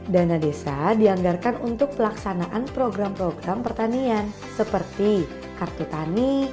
dana desa dianggarkan untuk pelaksanaan program program pertanian seperti kartu tani